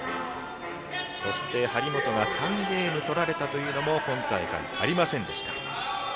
そして、張本が３ゲーム取られたというのも今大会、ありませんでした。